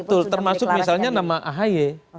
betul termasuk misalnya nama ahy